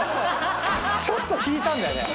ちょっと引いたんだよね。